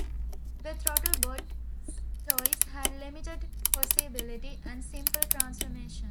The Throttlebot toys had limited poseability and simple transformations.